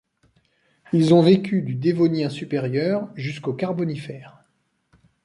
Ils ont vécu du Dévonien supérieur jusqu'au Carbonifère.